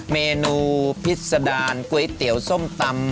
เมนูพิษดารก๋วยเตี๋ยวส้มตำ